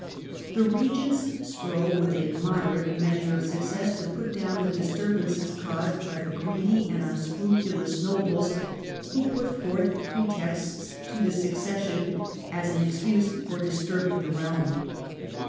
The regents strove, with a moderate measure of success, to put down the disturbances caused by the greedy and unscrupulous nobles, who put forth pretexts to the succession as an excuse for disturbing the realm.